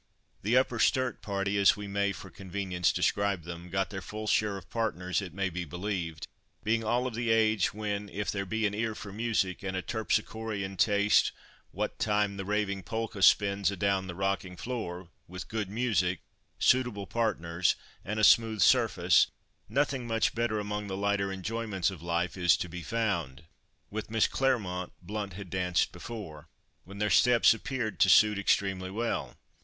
The Upper Sturt party, as we may for convenience describe them, got their full share of partners it may be believed, being all of the age when, if there be an ear for music, and a terpsichorean taste "what time the raving polka spins adown the rocking floor," with good music, suitable partners, and a smooth surface, nothing much better among the lighter enjoyments of life is to be found. With Miss Claremont Blount had danced before, when their steps appeared to suit extremely well.